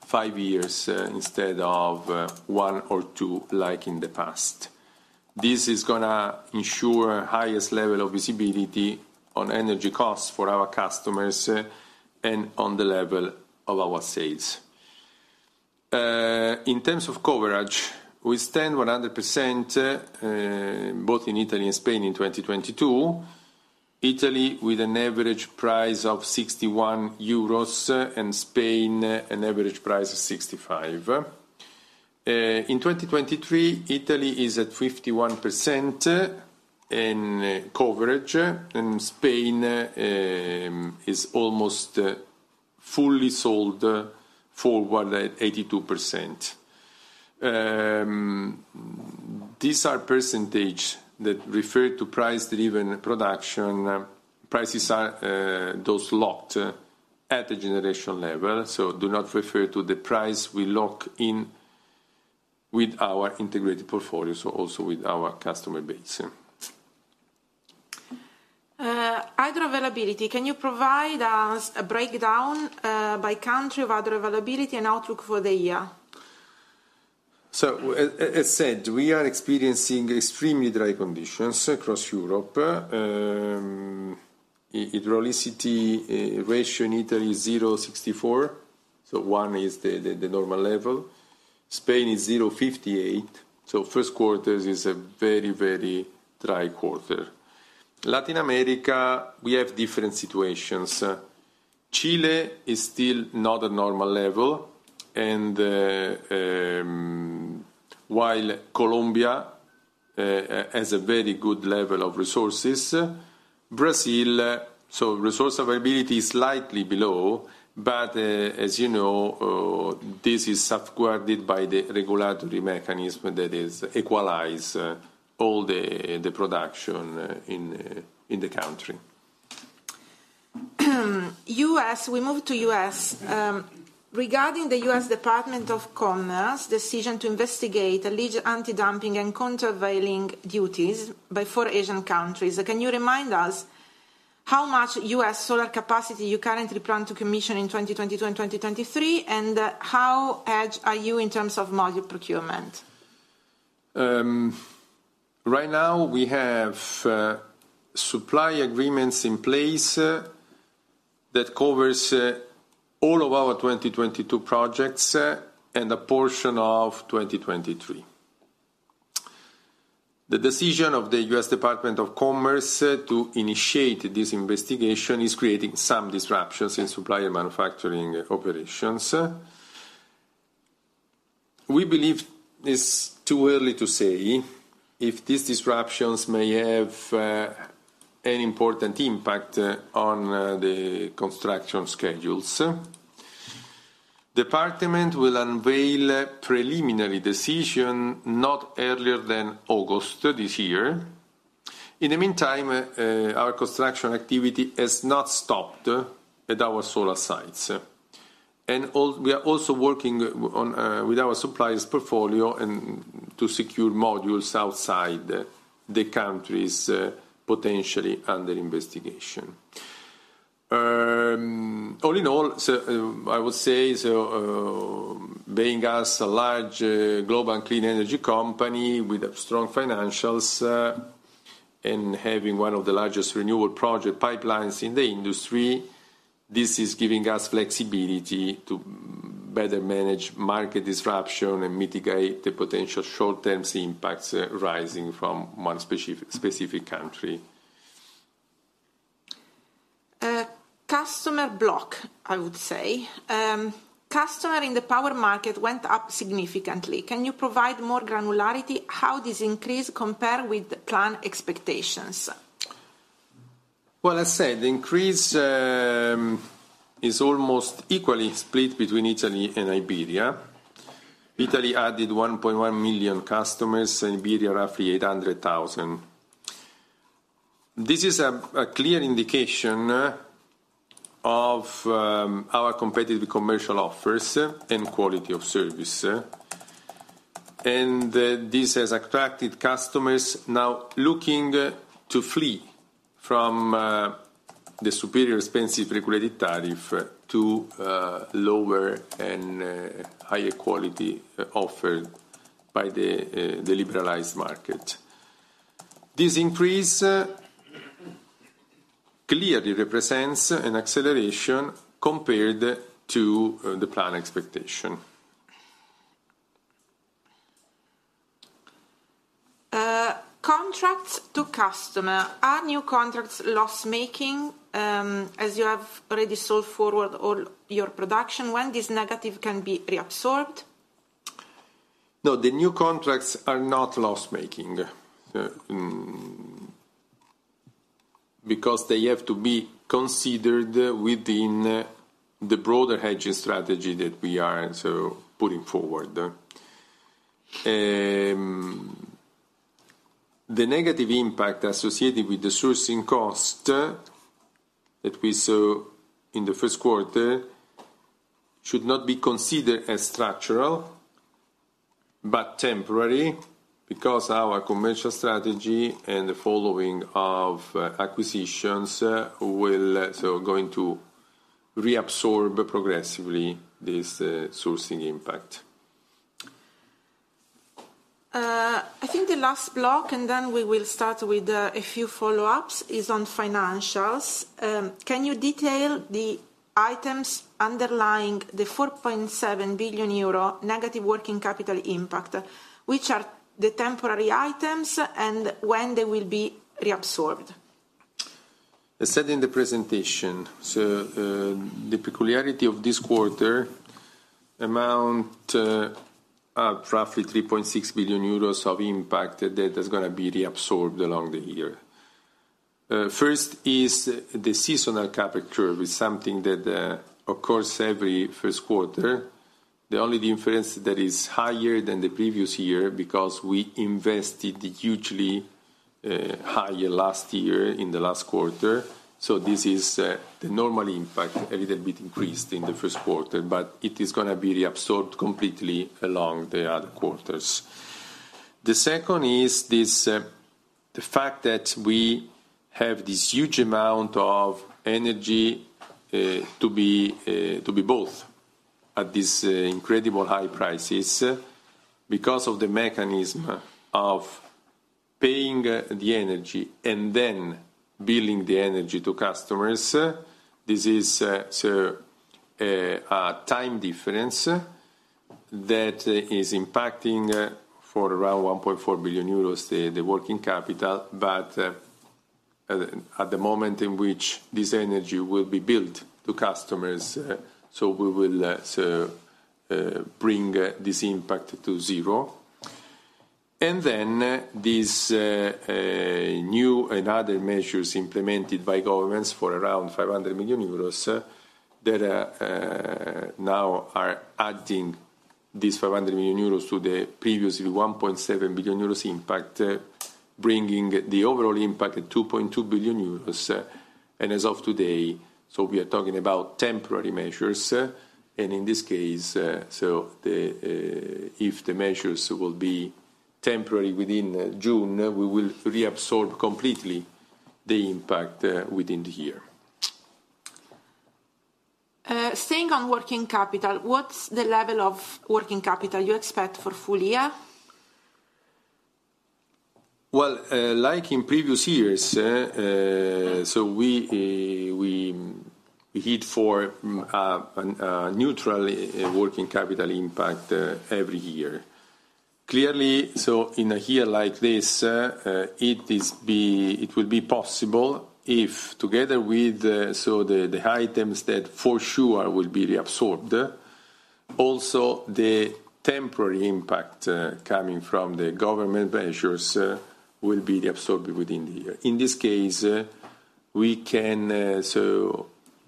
five years instead of one or two like in the past. This is gonna ensure highest level of visibility on energy costs for our customers and on the level of our sales. In terms of coverage, we stand 100% both in Italy and Spain in 2022. Italy with an average price of 61 euros and Spain an average price of 65. In 2023, Italy is at 51% in coverage, and Spain is almost fully sold forward at 82%. These are percentages that refer to price-driven production. Prices are those locked at the generation level, so do not refer to the price we lock in with our integrated portfolio, so also with our customer base, yeah. Hydro availability, can you provide us a breakdown by country of hydro availability and outlook for the year? As said, we are experiencing extremely dry conditions across Europe. Hydrological ratio in Italy is 0.64, so one is the normal level. Spain is 0.58, so Q1 is a very dry quarter. Latin America, we have different situations. Chile is still not a normal level, and while Colombia has a very good level of resources. Brazil, resource availability is slightly below, but as you know, this is safeguarded by the regulatory mechanism that equalizes all the production in the country. U.S., we move to U.S. Regarding the U.S. Department of Commerce decision to investigate alleged anti-dumping and countervailing duties by four Asian countries. Can you remind us how much U.S. solar capacity you currently plan to commission in 2022 and 2023? How hedged are you in terms of module procurement? Right now we have supply agreements in place that covers all of our 2022 projects and a portion of 2023. The decision of the U.S. Department of Commerce to initiate this investigation is creating some disruptions in supply and manufacturing operations. We believe it's too early to say if these disruptions may have an important impact on the construction schedules. Department will unveil a preliminary decision not earlier than August this year. In the meantime, our construction activity has not stopped at our solar sites. We are also working on with our suppliers portfolio and to secure modules outside the countries potentially under investigation. All in all, I would say, being a large global and clean energy company with strong financials, and having one of the largest renewable project pipelines in the industry, this is giving us flexibility to better manage market disruption and mitigate the potential short-term impacts arising from one specific country. Customer block, I would say. Customers in the power market went up significantly. Can you provide more granularity how this increase compare with plan expectations? Well, I said the increase is almost equally split between Italy and Iberia. Italy added 1.1 million customers, Iberia roughly 800,000. This is a clear indication of our competitive commercial offers and quality of service, and this has attracted customers now looking to flee from the supposedly expensive regulated tariff to lower and higher quality offered by the liberalized market. This increase clearly represents an acceleration compared to the plan expectation. Customer contracts. Are new contracts loss-making, as you have already sold forward all your production, when this negative can be reabsorbed? No, the new contracts are not loss-making. They have to be considered within the broader hedging strategy that we are now putting forward. The negative impact associated with the sourcing cost that we saw in the first quarter should not be considered as structural but temporary, because our commercial strategy and the follow-on acquisitions will now go to reabsorb progressively this sourcing impact. I think the last block and then we will start with a few follow-ups is on financials. Can you detail the items underlying the 4.7 billion euro negative working capital impact? Which are the temporary items and when they will be reabsorbed? I said in the presentation, the peculiarity of this quarter amount of roughly 3.6 billion euros of impact that is gonna be reabsorbed along the year. First is the seasonal capital curve is something that occurs every Q1. The only difference that is higher than the previous year because we invested hugely higher last year in the last quarter. This is the normal impact a little bit increased in the first quarter, but it is gonna be reabsorbed completely along the other quarters. The second is this, the fact that we have this huge amount of energy to be both at these incredible high prices. Because of the mechanism of paying the energy and then billing the energy to customers, this is a time difference that is impacting for around 1.4 billion euros, the working capital, but at the moment in which this energy will be billed to customers, we will bring this impact to zero. These new and other measures implemented by governments for around 500 million euros that now are adding this 500 million euros to the previously 1.7 billion euros impact, bringing the overall impact to 2.2 billion euros, and as of today. We are talking about temporary measures, and in this case, if the measures will be temporary within June, we will reabsorb completely the impact within the year. Staying on working capital, what's the level of working capital you expect for full year? Well, like in previous years, we head for a neutral working capital impact every year. Clearly, in a year like this, it will be possible if together with the items that for sure will be reabsorbed, also the temporary impact coming from the government ventures will be reabsorbed within the year. In this case, we can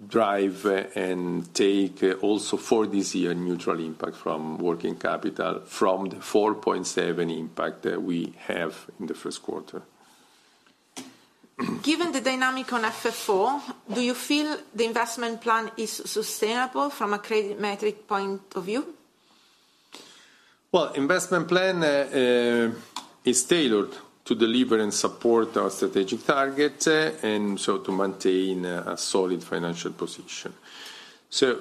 drive and take also for this year neutral impact from working capital from the 4.7 impact that we have in Q1. Given the dynamic on FFO, do you feel the investment plan is sustainable from a credit metric point of view? Well, the investment plan is tailored to deliver and support our strategic target and so to maintain a solid financial position.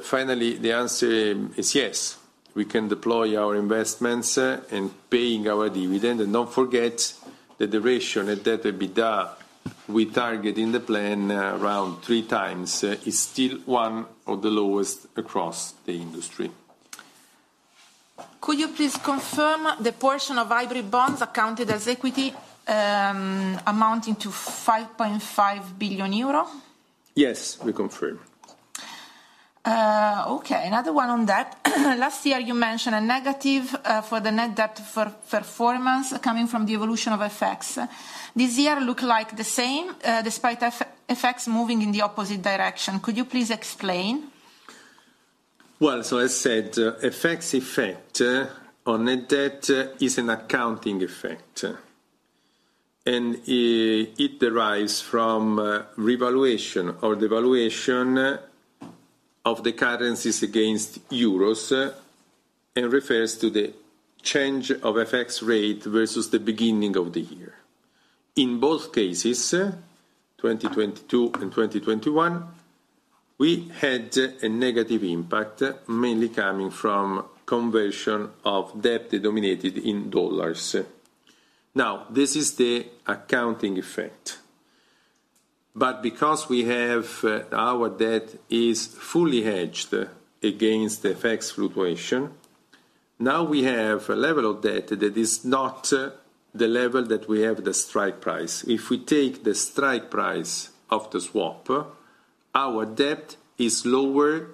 Finally, the answer is yes, we can deploy our investments in paying our dividend. Don't forget that the ratio, net debt to EBITDA, we target in the plan around 3x, is still one of the lowest across the industry. Could you please confirm the portion of hybrid bonds accounted as equity, amounting to 5.5 billion euro? Yes, we confirm. Okay, another one on that. Last year you mentioned a negative for the net debt for performance coming from the evolution of FX. This year look like the same, despite FX moving in the opposite direction. Could you please explain? Well, I said, FX effect on net debt is an accounting effect. It derives from revaluation or devaluation of the currencies against euros and refers to the change of FX rate versus the beginning of the year. In both cases, 2022 and 2021, we had a negative impact, mainly coming from conversion of debt denominated in dollars. Now, this is the accounting effect. Because we have our debt is fully hedged against FX flactuation, now we have a level of debt that is not the level that we have the strike price. If we take the strike price of the swap, our debt is lower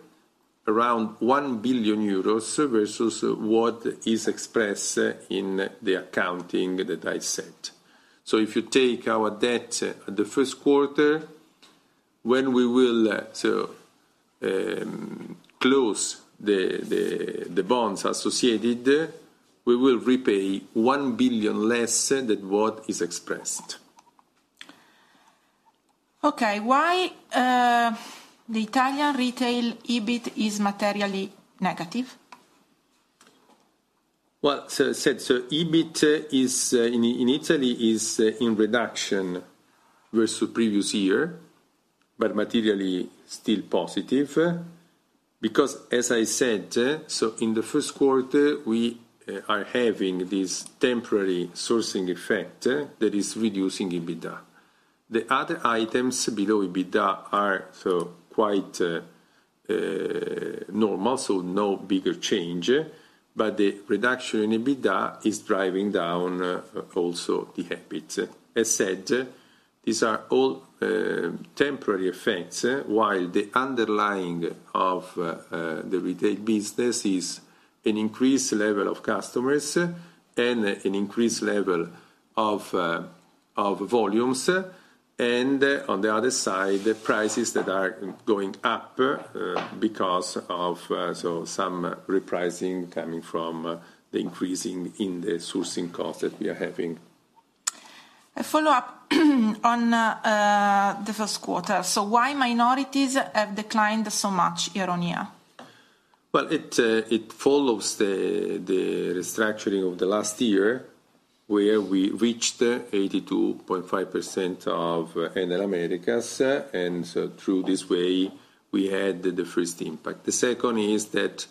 around 1 billion euros versus what is expressed in the accounting that I said. If you take our debt, the Q1, when we will close the bonds associated, we will repay 1 billion less than what is expressed. Okay, why, the Italian retail EBIT is materially negative? Well, as I said, EBIT is in Italy in reduction versus previous year, but materially still positive. Because as I said, in Q1, we are having this temporary sourcing effect that is reducing EBITDA. The other items below EBITDA are quite normal, so no bigger change, but the reduction in EBITDA is driving down also the EBIT. As said, these are all temporary effects while the underlying of the retail business is an increased level of customers and an increased level of volumes, and on the other side, the prices that are going up because of some repricing coming from the increase in the sourcing costs that we are having. A follow-up on Q1. Why minorities have declined so much year-on-year? It follows the restructuring of the last year, where we reached 82.5% of Enel Américas, and through this way we had the first impact. The second is that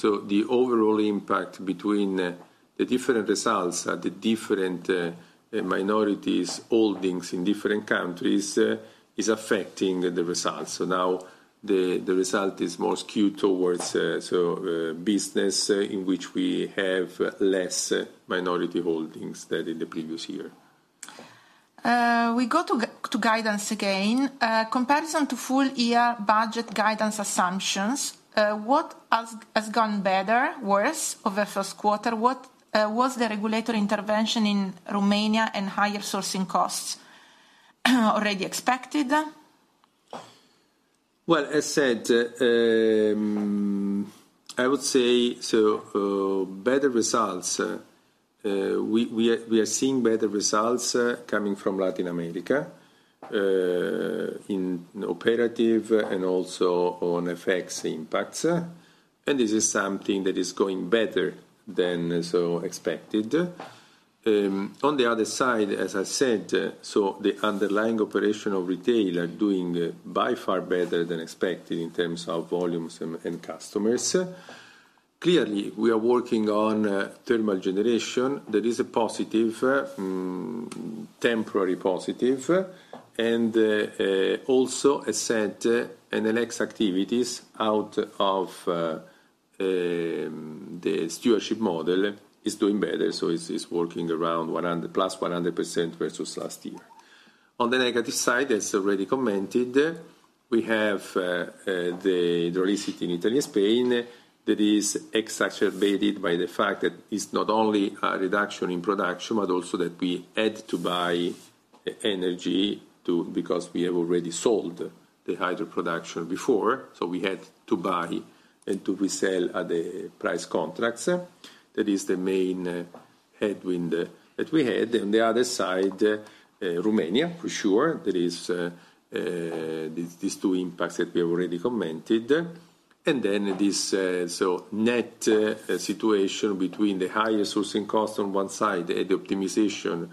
the overall impact between the different results at the different minority holdings in different countries is affecting the results. Now the result is more skewed towards business in which we have less minority holdings than in the previous year. We go to guidance again. Comparison to full year budget guidance assumptions, what has gone better, worse over first quarter? What was the regulatory intervention in Romania and higher sourcing costs already expected? Well, as said, I would say so, better results, we are seeing better results coming from Latin America in operations and also on FX impacts. This is something that is going better than expected. On the other side, as I said, the underlying operational retail are doing by far better than expected in terms of volumes and customers. Clearly, we are working on thermal generation. That is a positive temporary positive. Also as said, Enel X activities out of the stewardship model is doing better, so it's working around 100 plus 100% versus last year. On the negative side, as already commented, we have the electricity in Italy and Spain that is exacerbated by the fact that it's not only a reduction in production, but also that we had to buy energy because we have already sold the hydro production before, so we had to buy and to resell at the contract prices. That is the main headwind that we had. On the other side, Romania for sure, there is these two impacts that we already commented. Then this net situation between the higher sourcing cost on one side and optimization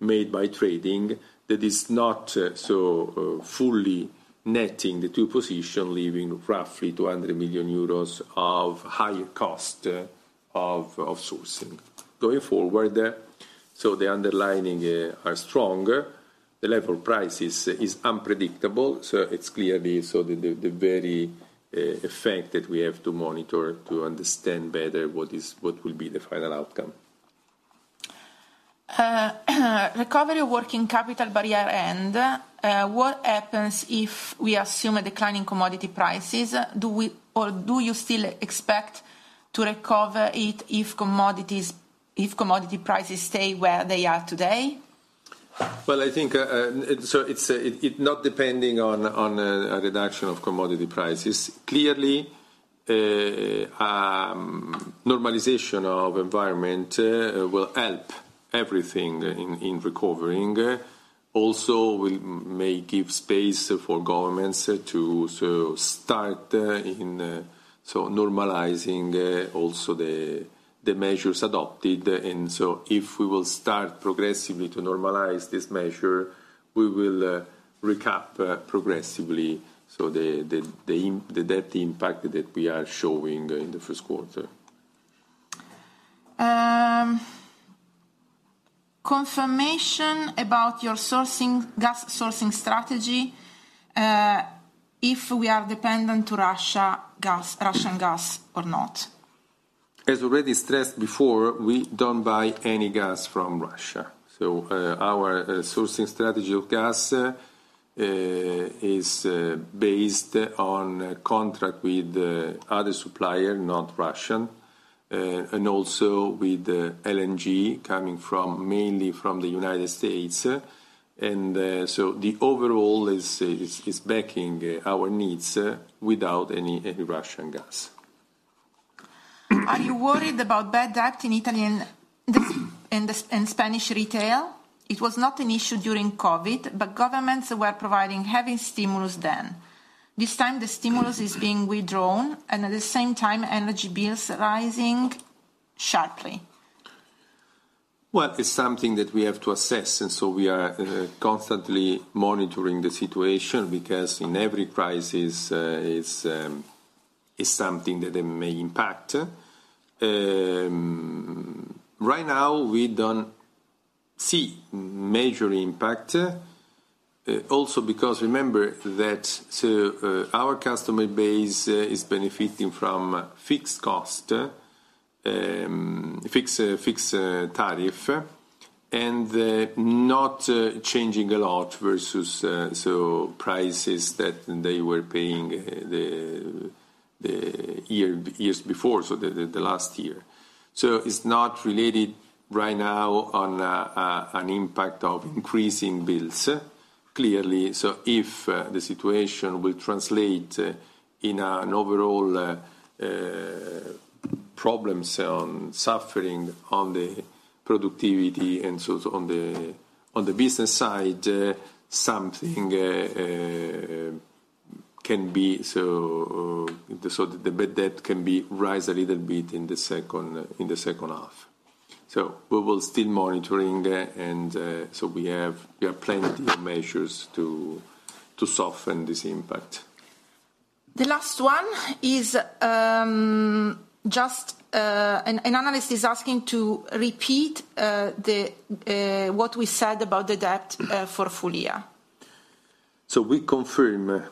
made by trading, that is not so fully netting the two positions, leaving roughly 200 million euros of higher cost of sourcing. Going forward, the underlying are stronger. The price level is unpredictable, so it's clearly the very effect that we have to monitor to understand better what will be the final outcome. Recovery of working capital by year-end, what happens if we assume a decline in commodity prices? Do we or do you still expect to recover it if commodity prices stay where they are today? Well, I think it's not depending on a reduction of commodity prices. Clearly, normalization of environment will help everything in recovering. Also, we may give space for governments to start normalizing also the measures adopted. If we will start progressively to normalize this measure, we will recover progressively the debt impact that we are showing in Q1. Confirmation about your sourcing, gas sourcing strategy, if we are dependent on Russian gas or not. As already stressed before, we don't buy any gas from Russia. Our sourcing strategy of gas is based on contract with other supplier, not Russian, and also with LNG coming from, mainly from the United States. The overall is backing our needs without any Russian gas. Are you worried about bad debt in Italian and Spanish retail? It was not an issue during COVID, but governments were providing heavy stimulus then. This time the stimulus is being withdrawn, and at the same time, energy bills are rising sharply. Well, it's something that we have to assess, and so we are constantly monitoring the situation because in every crisis, it's something that it may impact. Right now we don't see major impact, also because remember that our customer base is benefiting from fixed cost fixed tariff and not changing a lot versus prices that they were paying the years before, so the last year. It's not related right now on an impact of increasing bills. Clearly, if the situation will translate in an overall problems on suffering on the productivity and so on the business side, something can be so the bad debt can be rise a little bit in the second half. We will still be monitoring and so we have plenty of measures to soften this impact. The last one is just an analyst asking to repeat what we said about the debt for full year. We confirm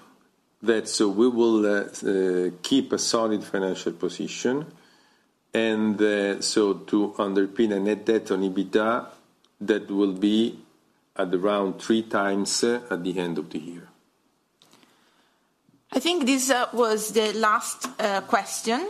that we will keep a solid financial position. To underpin a net debt to EBITDA that will be at around 3x at the end of the year. I think this was the last question.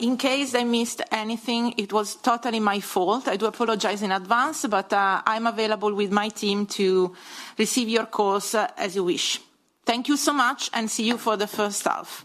In case I missed anything, it was totally my fault. I do apologize in advance, but I'm available with my team to receive your calls, as you wish. Thank you so much, and see you for the first half.